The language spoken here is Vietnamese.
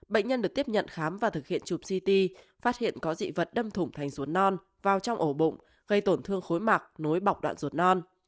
bệnh nhân được tiếp nhận khám và thực hiện chụp ct phát hiện có dị vật đâm thủng thành ruốn non vào trong ổ bụng gây tổn thương khối mạc nối bọc đạn ruột non